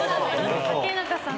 竹中さん